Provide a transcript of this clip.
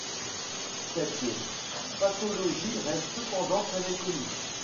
Cette pathologie reste cependant très méconnue.